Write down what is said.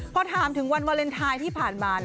พอถามถึงวันวาเลนไทยที่ผ่านมา